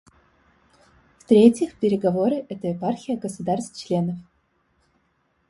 В-третьих, переговоры — это епархия государств-членов.